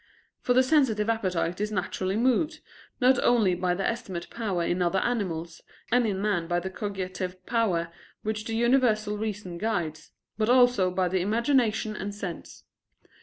For the sensitive appetite is naturally moved, not only by the estimative power in other animals, and in man by the cogitative power which the universal reason guides, but also by the imagination and sense.